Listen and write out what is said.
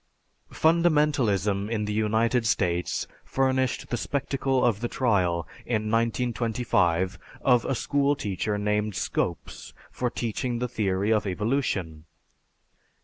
Fundamentalism in the United States furnished the spectacle of the trial, in 1925, of a school teacher named Scopes, for teaching the theory of evolution.